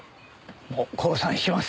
もう降参します。